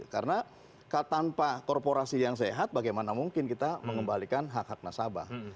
karena tanpa korporasi yang sehat bagaimana mungkin kita mengembalikan hak hak nasabah